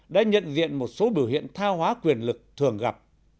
đã nhận diện một số biểu hiện tha hóa quyền lực thường gặp